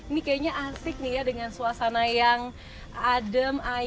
ini kayaknya asik nih ya dengan suasana yang adem air dan air